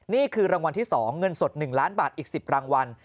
นี่คือรางวัลที่๒เงินสด๑ล้านบาทอีก๑๐รางวัล